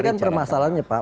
tapi kan permasalahnya pak